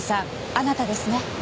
あなたですね。